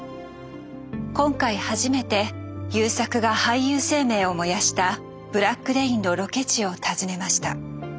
今回初めて優作が俳優生命を燃やした「ブラック・レイン」のロケ地を訪ねました。